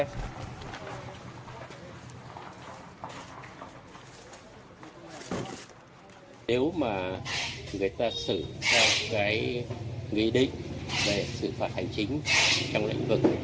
nếu mà người ta xử theo cái nghị định về xử phạt hành chính trong lĩnh vực